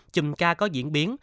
chùm ca có diễn biến